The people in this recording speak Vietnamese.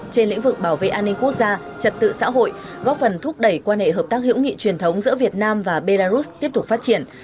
trên lĩnh vực bảo vệ an ninh quốc gia trật tự xã hội góp phần thúc đẩy quan hệ hợp tác hữu nghị truyền thống giữa việt nam và belarus tiếp tục phát triển